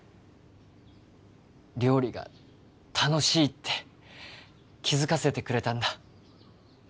料理が楽しいって気づかせてくれたんだ